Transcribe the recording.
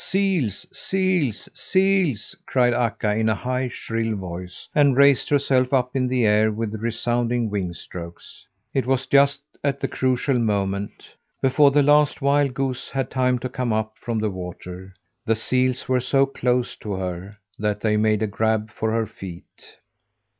"Seals! Seals! Seals!" cried Akka in a high, shrill voice, and raised herself up in the air with resounding wing strokes. It was just at the crucial moment. Before the last wild goose had time to come up from the water, the seals were so close to her that they made a grab for her feet.